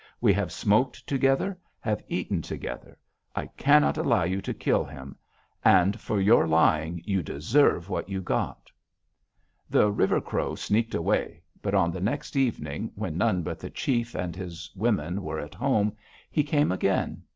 We have smoked together, have eaten together. I cannot allow you to kill him. And for your lying you deserve what you got!' "The River Crow sneaked away, but on the next evening, when none but the chief and his women were at home, he came again.